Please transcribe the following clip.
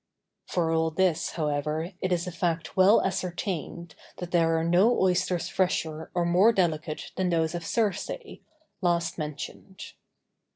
For all this, however, it is a fact well ascertained that there are no oysters fresher or more delicate than those of Circeii, last mentioned.